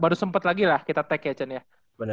baru sempet lagi lah kita tag ya chen ya